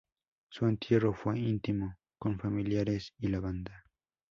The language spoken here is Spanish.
Su entierro fue íntimo, con familiares y la banda.